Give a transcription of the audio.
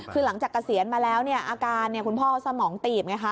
คือหลังจากเกษียณมาแล้วเนี่ยอาการคุณพ่อสมองตีบไงคะ